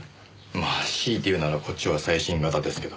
まあ強いて言うならこっちは最新型ですけど。